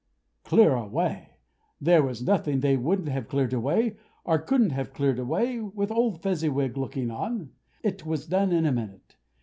Clear away! There was nothing they wouldn't have cleared away, or couldn't have cleared away, with old Fezziwig looking on. It was done in a minute.